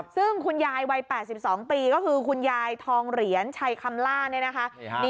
ซึ่งคุณยายวัย๘๒ปีก็คือคุณยายทองเหรียญชัยคำล่าเนี่ยนะคะ